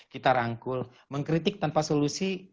kita rangkul mengkritik tanpa solusi